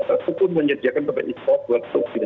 satupun menyediakan tempat istirahat buat sopir